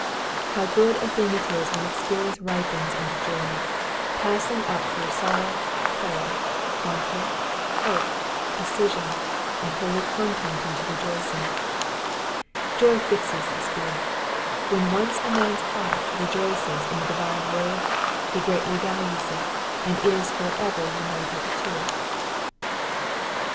How good a thing it is when experience ripens into joy, passing up through sorrow, prayer, conflict, hope, decision, and holy content into rejoicing I Joy fixes the spirit : when once a man's heart rejoices in the divine word, he greatly values it, and is for ever united to it.